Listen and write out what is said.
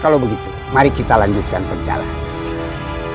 kalau begitu mari kita lanjutkan perjalanan